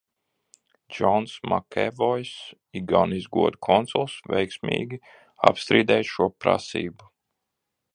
Džons Makevojs, Igaunijas goda konsuls, veiksmīgi apstrīdēja šo prasību.